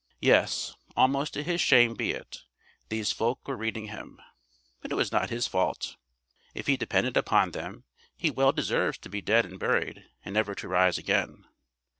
Yes, almost to his shame be it, these folk were reading him. But it was not his fault. If he depended upon them he well deserves to be dead and buried and never to rise again.